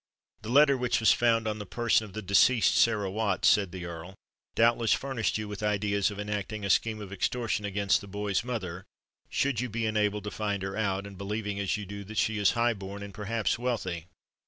"The letter which was found on the person of the deceased Sarah Watts," said the Earl, "doubtless furnished you with ideas of enacting a scheme of extortion against the boy's mother, should you be enabled to find her out, and believing as you do that she is high born and perhaps wealthy.